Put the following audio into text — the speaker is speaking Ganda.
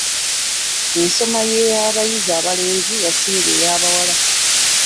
Ensoma y'abayizi abalenzi yasinga ey'abawala.